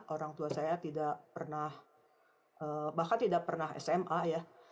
orang tua saya tidak pernah bahkan tidak pernah sma ya